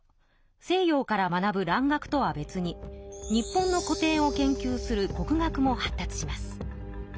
西洋から学ぶ蘭学とは別に日本の古典を研究する国学も発達します。